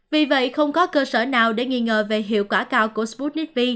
vì vậy không có cơ sở nào để nghi ngờ về hiệu quả cao của sputnik v